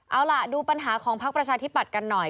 เอาล่ะดูปัญหาของพักประชาธิปัตย์กันหน่อย